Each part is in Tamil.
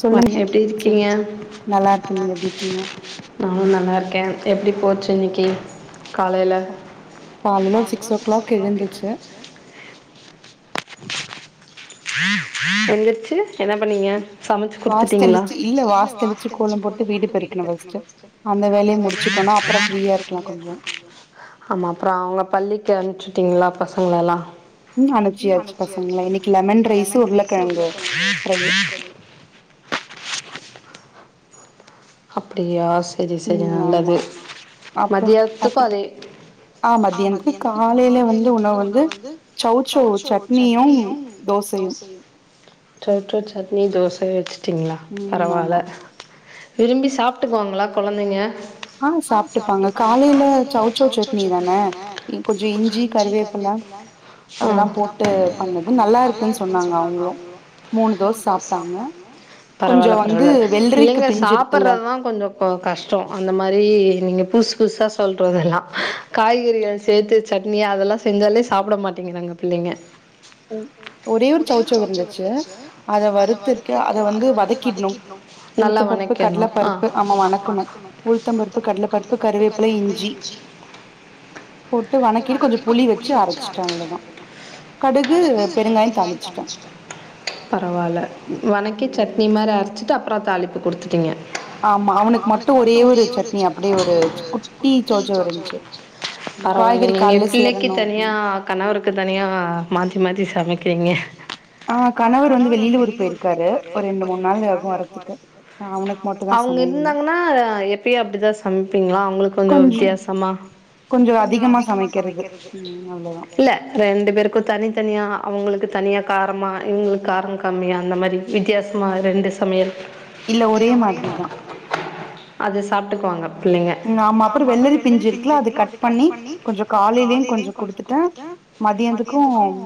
சொல்லுங்க சோ நல்லாருக்கே நீங்க எப்படிருக்கீங்க நானும் நல்லாருக்கேன் எப்டி போச்சு இன்னிக்கி காலைல காலல சிக்ஸ் ஓ கிளாக் எழுந்துச்சு [unintelligible] எந்திருச்சு என்ன பண்ணீங்க சமைச்சு குடுத்துட்டீங்களா. இல்ல வாச தெளிச்சி கோலம் போட்டு வீடு பெருக்கினேன் பஸ்ட்டு. அந்த வேலய முடிச்சிடே. அப்றம் ஃபிரீயருக்கும் அப்றம் அவுங்க பள்ளிக்கு அனுப் விட்டிங்ளா பசங்களலாம் உம் அனுப்ச்சியாச்சு பசங்களலா இன்னைக்கு லெமன் லெமன் ரைஸ்ஸு உருள கழங்கு [unintelligible] [inaudible] அப்டியா செரி செரி நல்லது மதியானத்துக்கு அதே. ஆ மதியானத்துக் காலையில வந்து உணவுவந்து சௌசௌ சட்னியும் சௌசௌ சட்னி தோசயும் வச்சுட்டிங்களா பரவால்ல விரும்பி சாப்பிட்டுக்குவாங்களா கொழந்தைங்க ஆ சாப்பிட்டுப்பாங்க காலையில சௌச்சௌ சட்னி தானே கொஞ்சம் இஞ்சி கருவேப்பில அதெல்லாம் போட்டு பண்ணது நல்லாருக்கு பரவால்ல பரவால பிள்ளைங்க சாப்பிடறது தான் கொஞ்சம் கஷ்டம் மாரி நீங்க புசு புதுசா சொல்றதெல்லாம் காய்கறிகள் சேத்து சட்னி அதெல்லாம் செஞ்சாலே சாப்பிட மாட்டேங்கிறாங்க பிள்ளைங்க ஒரே ஒரு சௌசௌ இருந்துச்சு அத வறுத்துட்டு அத வந்து வதக்கிட்ணும். நல்லா வணக்கிடனும். ஆ வணக்கனும். உளுத்த பருப்பு கடலப்பருப்பு, கருவேப்பில இஞ்சி போட்டு வனக்கி கொஞ்சம் புளி வச்சு அரச்சட்டேன் அவ்ளதான் [unintelligible] துக்கு பரவால்ல வணக்கி சட்னி மாரி அரைச்சிட் அப்றம் தாளிப்பு குடுத்துட்டிங்க பரவால்ல நீங்க பிள்ளைக்கு தனியா கணவருக்கு தனியா மாத்தி சமைக்கிறீங்க ஆ கணவர் வந்து வெளியிலஊர்க் போயிருக்காரு ரெண்டு மூணு நாள் ஆகும்வரதுக்கு. அவுங்க யிருந்தாங்ன்னா எப்பயும் அப்டிதான் சமைப்பீங்களா அவுங்களுக்கு கொஞ்ச வித்தியாசமா கொஞ்சம் அதிகமா சமக்கிறது. இல்ல ரெண்டு பேருக்கும் தனி அவுங்களுக்கு தனியா காரமா இவங்களுக்கு காரம் கம்மியா அந்த மாரி வித்தியாசமா ரெண்டு சமையல் யில்ல ஒரே [unintelligible] அது சாப்பிட்டுக்குவாங்க ஆமா அப்றோ வெள்ளரி பிஞ்சிருக்குல அத கட் பண்ணி கொஞ்சு காலயிலு கொஞ்சு கொடுத்துட்ட மதியத்து அம்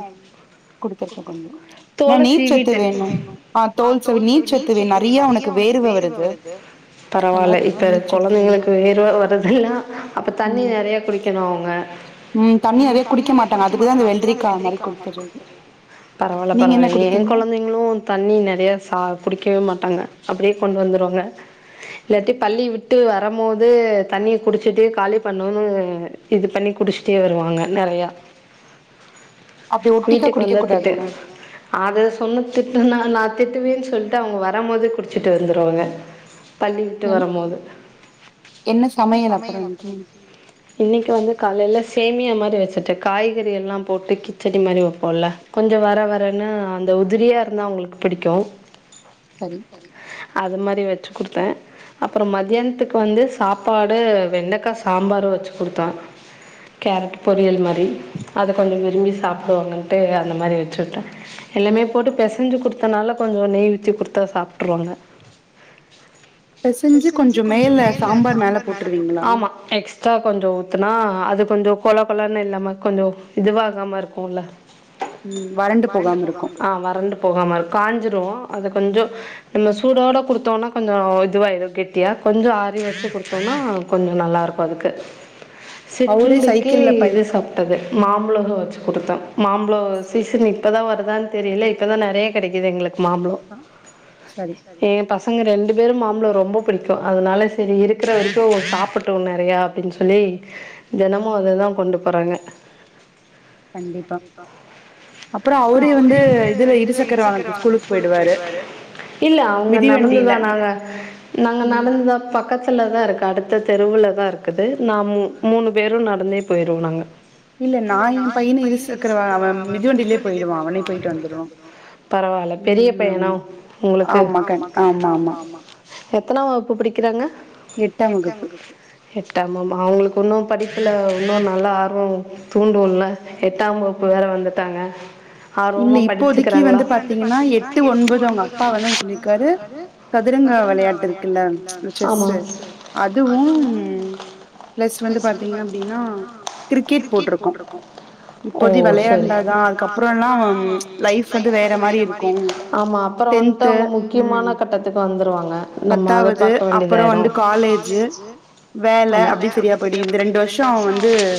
குடுத்துருக்கே கொஞ்சு ம்ச் ஏன்னா நீர் சத்து வேணு ஆ தோல் செவ நீர்ச்சத்து வேணு. நறையா அவனுக்கு வேர்வ வருது. ம்ச் அதனால நீர்ச்சத்து வேணுன் வேர்வ வருது எல்லா. அப்ப தண்ணி நெறையா குடிக்கணு அவங்க. ம் தண்ணி நெறயா குடிக்க மாட்டாங்க. அதுக்கு தா இந்த வெள்ரிக்கா மாரி குடுத்துர்ரது பரவால்ல பரவால்ல. ஏங் கொழந்தைங்களு தண்ணி நெறையா சா குடிக்கவே மாட்டாங்க. அப்டியே கொண்டு வந்துருவாங்க. இல்லாட்டி பள்ளி விட்டு வரம்மோது தண்ணிய குடிச்சுட்டு காலி பண்ணுனு இது பண்ணி குடிச்சிட்டே வருவாங்க நெறையா. வீட்டுக்கு வந்தா திட்டு அத சொன்ன திட்டுன்னா நா திட்டுவேன் சொல்லிட்டு அவங்க வரம்மோது குடிச்சிட்டு வந்துருவாங்க. பள்ளி விட்டு வரம்மோது. என்ன சமயல் அப்றொ இன்னிக்கி? இன்னிக்கி வந்து காலையில சேமியா மாரி வச்சிட்ட காய்கறி எல்லா போட்டு கிச் செடி மாரி வப்போல்ல. கொஞ்சொ வரவரன்னு அந்த உதிரியா இருந்தா அவங்களுக்கு பிடிக்கு. சரி அது மாரி வெச்சொ குடுத்தே. அப்றொ மத்தியானத்துக்கு வந்து சாப்பாடு வெண்டக்கா சாம்பார் வச்சு குடுத்தோ கேரட் பொரியல் மாரி. அத கொஞ்சு விரும்பி சாப்புடுவாங்கன்ட்டு அந்த மாரி வச்சு உட்டே. எல்லாமே போட்டு பெசஞ்சி குடுத்தனால கொஞ்சொ நெய் வச்சி குடுத்தா சாப்ட்ருவாங்க. பெசஞ்சி கொஞ்சு மேல சாம்பார் மேல போட்ருவீங்க. ஆமா எக்ஸ்ட்ரா கொஞ்சு ஊத் ஊத்னா அது கொஞ்சொ கொல கொலன்னு இல்லாம கொஞ்சு இதுவாகாமா இருக் குல்ல ம் வறண்டு போகாம இருக். ஆ வறண்டு போகாம இருக் காஞ்சிரு அது கொஞ்சொ நம்ம சூடோட குடுத்தோன்னா கொஞ்சொ இதுவாயிரு கெட்டியா. கொஞ்சொ ஆறி வச்சி குடுத்தோன்னா கொஞ்சொ நல்லாருக்கு அதுக்கு சிற்றுண்டிக்கு இது சாப்ட்டது மாம்பழோ வச்சு இத்தா மாம்பழொ சீசன் இப்பதா வருதான்னு தெரியில. இப்பதா நெறைய கெடெக்குது எங்களுக்கு மாம்பழொ ஏ பசங் நாங்க ரெண்டு பேரு மாம்பழொ ரொம்ப பிடிக்கு. அதனால செரி இருக்குற வரைக்கு ஒ சாப்பிட்டு நெறையா அப்டின்னு சொல்லி தெனமு அத தா கொண்டு போறாங்க. கண்டிப்பா அப்றொ அவரே வந்து இதுல இரு சக்கர வாகனத்ல ஸ்கூலுக்கு போயிடுவாரு. இல்ல அவங்க நடந்துதா நாங்க நாங்க நடந்துதா பக்கத்லதா இருக்கு அடுத் அடுத்த தெருவுல தா இருக்குது. நா மூ மூணு பேரு நடந்தே போய்ருவோ நாங்க. இல்ல நா ஏ பையனக் பையன இரு சக்கர வா அவ மிதிவண்டியிலேயே போயிடுவா, அவனே போய்ட்டு வந்துடுவா. பரவால்ல பெரிய பையனோ உங்களுக்கு? ஆமாங்க ஆமா ஆமா. எத்தனா வகுப்பு படிக்கறாங்க? எட்டாம் வகுப்பு எட்டாம் ஆமா அவங்களுக்கு இன்னு படிப்பிலு இன்னு நல்லா ஆர்வம் தூண்டு இல்ல. எட்டாம் வகுப்பு வேற வந்துட்டாங்க ஆர்வமா படிச்சிக்கிறாங்ளா? [unintelligible] வந்து பாத்தீங்கென்னா எட்டு, ஒன்பது அவங்க அப்பா வந்து சொல்லிருக்காரு சதுரங்க வெளையாட்டு இருக்கில்ல ஆமா அதுவும் ப்ளஸ் வந்து பாத்தீங்க அப்பிடினா கிரிக்கெட் போட்ருக்கோ. இப்போதி வெளையாண்டாதா அதுக்கப்றொ அப்றொனா லைஃப் வந்து வேற மாரி இருக்கூ. அப்றொ வந்துட் அவுங்க முக்யமான கட்டத்துக்கு வந்துருவாங்க. நம்ம அத பாக்க வேண்டியதாயிரு. அப்றொ வந்து காலேஜ், வேல அப்டி சரியா போய்டு. இந்த ரெண்டு வருஷொ வந்து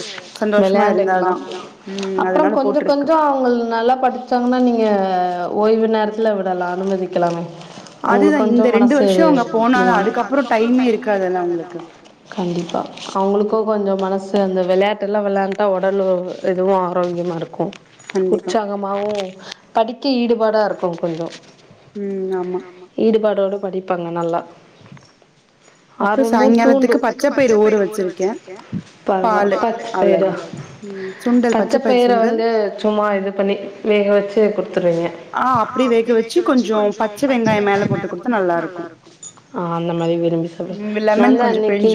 வெளையாண்ட்க்கலா. அப்றொ கொஞ்சொ கொஞ்சொ அவங்கள் ந வச்சாங்ன்ன நீங்க ஓய்வு நேர த்ல விடலா, அனுமதிக்லா. அவுங்ளுக்கு கொஞ்சோ மனசு சரியாட்ச்சி கண்டிப்பா அவுங்ளுக்கு கொஞ்சோ மனசு வந்து விளாட் கல்லவலாண்டா உடலு எதுவும் ஆரோக்கியமா இருக்கும் உற்சாகமாவும் படி ஈடுபாடாருக்கும் கொஞ்சம். ம் ஆமா கடுப்படிப்பாங்க நல்லா ஆர்வமாதூண்டும் [unintelligible] பச்சப்பயறு ஊறவச்சிருக்கேன் [unintelligible] பச்ச பயிற வந்து சும்மா இதுப்பண்ணிவேகவச்சி குடுத்துவிங்க. ஆ அப்டி வேகவச்சி கொஞ்சம் பச்ச வெங்காயம் மேலபோட்டு குடுத்தா நல்லாருக்கும். ஆ அந்தமாரி. [unintelligible] நான் தான் அன்னைக்கு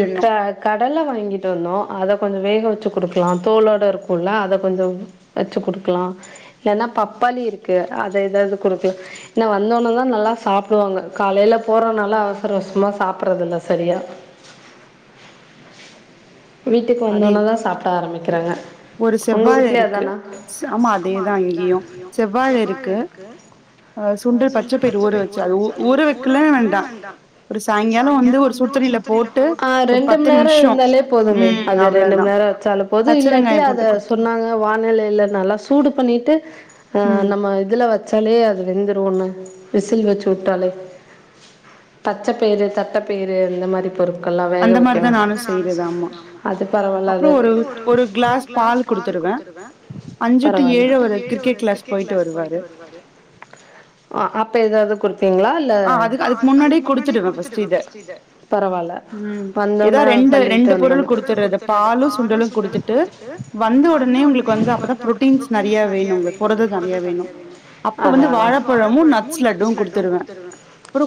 கடலை வாங்கிட்டு வந்தோம். அதை கொஞ்சம் வேக வச்சு கொடுப்பேன் எலாம் தோளாட இருக்கு புல்லா அத கொஞ்சம் வச்சு குடுக்கலாம். இன்னா பப்பாளி இருக்கு அத ஏதாவது கொடுக்க. இன்னா வந்தோனதான் நல்லா சாப்பிடுவாங்க. காலையில போறனால அவசரவசமா சாப்படுறது இல்லசரியா. வீட்டுக்கு வந்தோனாதா சாப்பிடஆரம்பிக்கிறாங்க. ஒரு செவ்வாழ இருக்கு. ஆமா அதேதான் இங்கியும் செவ்வாழ இருக்கு. அ சுண்ட பச்ச பயிறு ஊற வச்சாலும், ஊற வைக்கலண்டா, சாயங்காலம் வந்து சுடத்தண்ணில போட்டாலேரண்டுமணி நேரம் இருந்தாலே போதுமே. அது ரெண்டு மணி நேரம் வச்சாலும் போதும் இல்லாட்டி அது த சொன்னாங்க வானிலில நல்லா சூடு பண்ணிட்டு அ நம்ம இதுல வச்சாலே அது வெந்து தோன்ன விசில் வெச்சுட்டாலே பச்சைப்பயிறு தட்டப்பயிறு இந்த மாரி பொறுப் நல்லா வேக வெக்கணு அது பரவால்ல அதாவது கிளாஸ் பால் குடுத்துடுவே வந்துட்டு ஏழு ஒரு கிரிக்கெட் கிளாஸ் போய்ட்டு வருவாரு இல்ல இல்ல பரவால வந்தவுனே பள்ளி விட்டு வந்தவுனே வந்த ஒடனே ஒங்ளுக்கு வந்து அப்பதா ப்ரோட்டீன்ஸ் நெறைய வேணு புரதோ நெறையா வேணு அப்ப வந்து வாழப்பழமு நட்ஸ் லட்டு குடுத்துருவே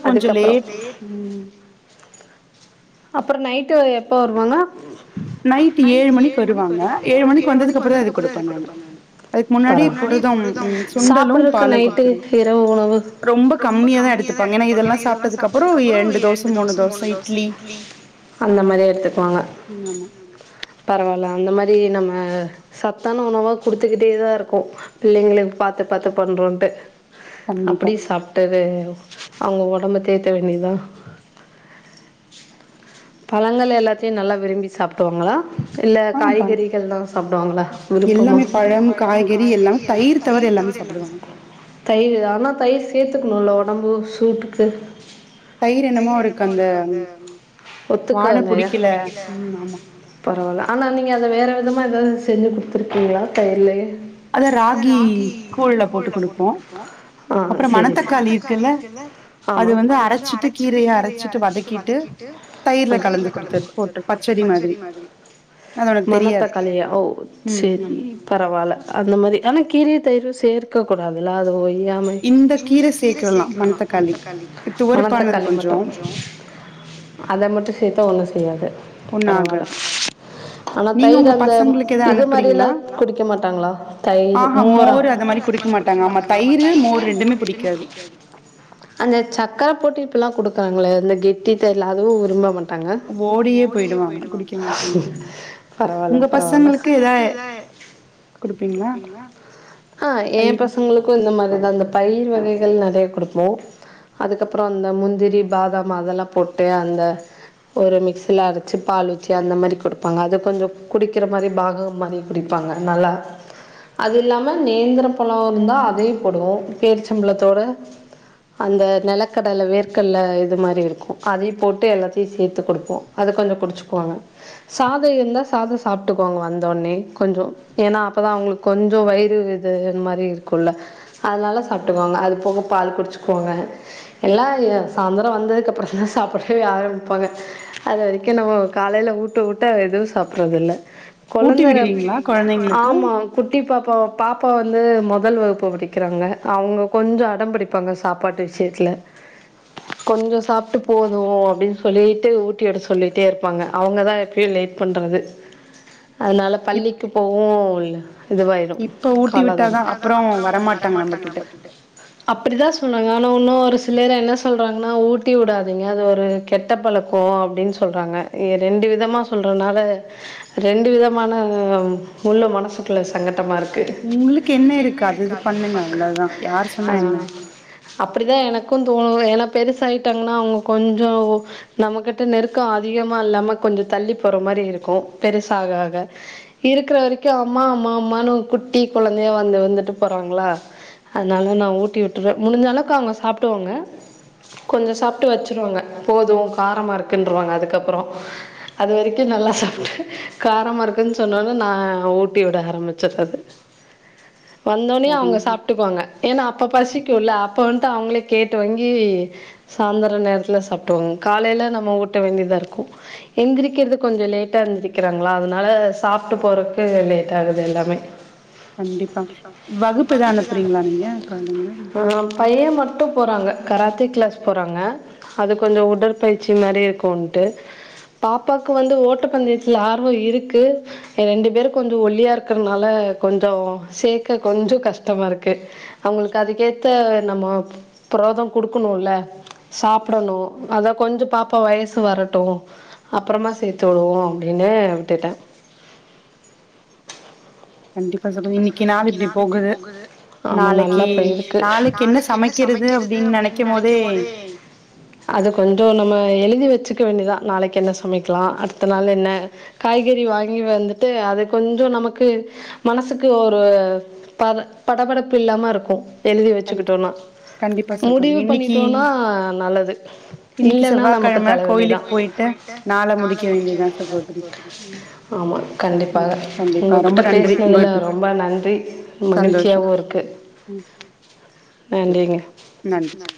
அதுகப்றோ அப்றோ நைட்டு வருவாங்க நைட் ஏழு மணிக்கு வருவா பரவா சாப்பிடறக்கு நைட்டு இரவு உணவு அந்த மாரி எடுத்துப்பாங்க பரவாயில்ல அந்த மா அதே நம்ம சத்தான உணவா குடுத்துக்கிட்டேதா இருக்கோ பிள்ளைங்களே பாத்து பாத்து பண்றோன்ட்டு அப்டி சாப்ட்டது அவுங்க ஒடம்ப தேத்த வேண்டிதான் பழங்கள் எல்லாத்தையும் நல்லா விரும்பி சாப்பிட்டுவாங்களா இல்ல காய்கறிகள்ல்லாம் சாப்பிடுவாங்களா. [unintelligible] பழம் காய்கறியெல்லாம் தயிர் தவிர யெல்லாம் சாப்பிடுவா தயிர் ஆனா தயிர் சேத்துக்கனும்ல்ல. ஒடம்பு சூட்டுக்கு தயிர் என்னமோ அவருக்கு அந்த ஒத்துக்கல்லையா பரவால்ல ஆனா நீங்க அத வேற விதமா ஏதாவது செஞ்சு குடுத்துருக்கீங்களா தயிர்ல அது ராகி கூழ் ல போட்டு குடிப்போம் அப்றம் மணத்தக்காளி இருக்குல்ல அது வந்து அரச்சுட்டு கீரை அரச்சி வதக்கிடுவோம் மணத்தக்காளிய ஓ செரி பரவால் ல அந்த மாரி ஆனா கீரையு தயிரு சேர்க்க கூடாதுல்ல அது ஓய் யாம மணத்தக்காளி மட்டூ அத மட்டூ சேர்த்தா ஒண்ணு செய்யாது பரவால்ல ஆனா தயிர் அந்த இது மாரில்லா குடிக்க மாட்டாங்களா தயிர் மோரா அந்த சக்கர போட்டு இப்பெல்லா குடு ப்பாங்க அந்த கெட்டி தயி இல்ல அதுவு விரும்ப மாட் ட்டாங்க பரவால்ல பரவால்ல ஆ ஏ பசங்களுக்கு இந்த மாதிரி தா அந்த பயிர் வகைகள் நெறைய குடுப்போ அதுக்கப்றோ அந்த முந்திரி பாதாம் அதெல்லா போட் டு அந்த ஒரு மிக்சில அரச்சி பால் ஊத்தி அந்த மாரி குடுப்பாங்க அது கொஞ்சோ குடிக்கிற மாரி பாகோ மாரி குடிப்பாங்க நல்லா அது இல்லாம நேந்திர பழோ இருந்தா அதே போடுவோ பேரிச்சம்பழத்தோட அந்த நெலக்கடல வேர்க்கடல இது மாரி இருக்கூ அதையு போட்டு எல்லாத்தையு சேத்து குடுப்போ அத கொஞ்சோ குடிச்சுக்குவாங்க சாதோ இருந்தா சாதோ சாப்ட்டுக்குவாங்க வந்தோனே கொஞ்சோ ஏன்னா அப்போதா அவுங்களுக்கு கொஞ்சோ வயிறு இது இந்த மாரி இருக்கூல அதனால சாப்ட்டுக்குவாங்க அது போக பால் குடிச்சுக்குவாங்க எல்லா சாயந்தரோ வந்ததுக்கு அப்றோ‌ தா சாப்டவே ஆரம்பிப்பாங்க அது வரைக்கு நம்ம காலைல ஊட்ட ஊட்ட எதுவு சாப்ட்றது இல்ல கொழந்தர ஆமா குட்டி பாப்பாவ பாப்பா வந்து மொதல் வகுப்பு படிக்கிறாங்க அவுங்க கொஞ்சோ அடம் பிடிப்பாங்க சாப்பாட்டு விஷயத்துல கொஞ்சோ சாப்ட்டா போது அப்டின்னு சொல்லிட்டு ஊட்டி விட சொல்லிட்டே இருப்பாங்க அவுங்க தா எப்பயு லேட் பண்றது அதனால பள்ளிக்கு போவோ இதுவாயிடும் கால்ல அப்டி தா சொ ன்னாங்க ஆனா இன்னு ஒரு சிலர் என்ன சொல்றாங்கன்னா ஊட்டி விடாத அது ஒரு கெட்ட பழக்கோ அப்டினு சொல்றாங்க ரெண்டு விதமா சொல்றதுனால ரெண்டு விதமான உள்ள மனசுக்குள்ள சங்கட்டமா இருக் க்கு ஆ அப்டித்தா‌ எனக்கூ தோணு எனக் பெருசாயிட்டாங்கன்னா அவுங்க கொஞ்சோ நம்மகிட்ட நெருக்கோ அதிகமா இல்லாம கொஞ்சோ தள்ளி போற மாரி இருக்கூ பெருசாக ஆக இருக்குற வரைக்கூ அம்மா அம்மா அம்மானு குட்டி கொழந்தையா வந்து வந்துட்டு போறாங்களா அதனால நான் ஊட்டி விட்டுவே முடிஞ்ச அளவுக்கு அவுங்க சாப்டுவாங்க கொஞ்சோ சாப்ட்டு வச்சு ருவாங்க போதூ காரமா இருக்குன்றுவாங்க அதுக்கப்புறோ அது வரைக்கூ நல்லா சாப்ட்டு காரமா இருக்குனு சொன்னோனே நா ஊட்டி விட ஆரம்பிச்சுட்றது வந்தோனே அவுங்க சாப்ட்டுக்குவாங்க ஏன்னா அப்ப பசிக் கூல்ல அப்ப வந்ட்டு அவுங்களே கேட்டு வாங்கி சாயந்திர நேர த்துல சாப்டுவாங்க காலைல நம்ம ஊட்ட வேண்டிதா இருக்கூ எந்திரிக்கிறது கொஞ்சோ லேட்டா எந்திரிக்கிறாங்களா அதனால சாப்ட்டு போறக்கு லேட் ஆகுது எல்லாமே ஆ பையே மட்டோ போறாங்க கராத்தே க்ளாஸ் போறாங்க அது கொஞ்சோ உடற்பயிற்சி மாரி இருக்குன்ட்டு பாப்பாக்கு வந்து ஓட்ட பந்தயத்துல ஆர்வோ இருக்கு ரெண்டு பேரு கொஞ்சோ ஒல்லியா இருக்றனால கொஞ்சோ சேக்க கொஞ்சோ கஷ்டமா இருக்கு அவுங்களுக்கு அதுக்கேத்த நம்ம ப்ரோதோ குடுக்கணுல சா ப்டணு அதா கொஞ்சோ பாப்பா வயசு வரட்டு அப்றமா சேத்து விடுவோ அப்டின்னு விட்டுட்டே ஆமா நல்லா போயிருக்கு அது கொஞ்சோ நம்ம‌ எழுதி வச்சு க்க வேண்டிதா நாளைக்கு என்ன சமைக்கலா அடுத்த நாள் என்ன காய்கறி வாங்கி வந்துட்டு அது கொஞ்சோ‌ நமக்கு மனசுக்கு ஒரு ப படபடப்பு இல்லாமல் இருக்கும் எழுதி வச்சுக்கிட்டோனா முடிவு பண்ணிட்டோனா நல்லது இல்லைன்னா நமக்கு தலைவெலி தான் ஆமா கண்டிப்பாக உங்ககிட்ட பேச அதில் ரொம்ப நன்றி மகிழ்ச்சியாகவும் இருக்குது வேண்டங்க நன்